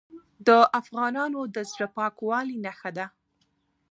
د افغانانو د زړه پاکوالي نښه ده.